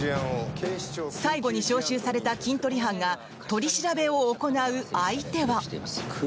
最後に招集されたキントリ班が取り調べを行う相手は。